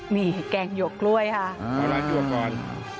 นี่แกงหยวกกล้วยค่ะครั่วเราดูก่อน